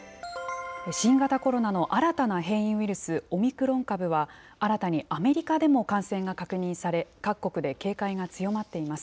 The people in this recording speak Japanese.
新型コロナの新たな変異ウイルス、オミクロン株は、新たにアメリカでも感染が確認され、各国で警戒が強まっています。